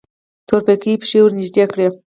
تورپيکۍ پښې ورنږدې کړې.